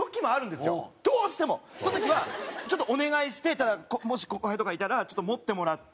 その時はちょっとお願いしてもし後輩とかがいたらちょっと持ってもらって。